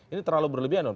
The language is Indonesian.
ini terlalu berlebihan dong